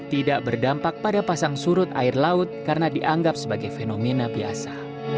tidak berdampak pada pasang surut air laut karena dianggap sebagai fenomena biasa